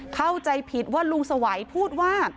เข้าใจผิดว่าลุงสวัยพูดว่า